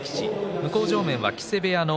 向正面は木瀬部屋の